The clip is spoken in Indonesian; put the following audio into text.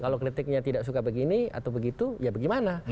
kalau kritiknya tidak suka begini atau begitu ya bagaimana